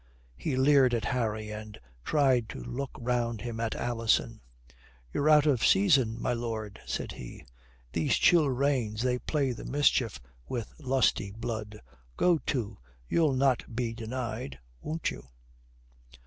He leered at Harry and tried to look round him at Alison. "You're out of season, my lord," said he. "These chill rains, they play the mischief with lusty blood. Go to, you'll not be denied, won't you?